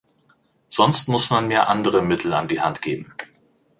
Sonst muss man mir andere Mittel an die Hand geben.